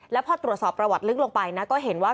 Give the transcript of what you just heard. แล้วพอตรวจสอบประวัติลึกลงไปนะก็เห็นว่า